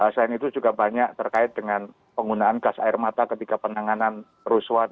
dan itu juga banyak terkait dengan penggunaan gas air mata ketika penanganan rusuhan